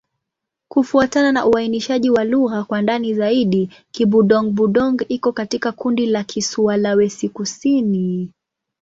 Kufuatana na uainishaji wa lugha kwa ndani zaidi, Kibudong-Budong iko katika kundi la Kisulawesi-Kusini.